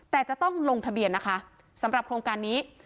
แต่จะต้องลงทะเบียนนะคะสำหรับโครงการนี้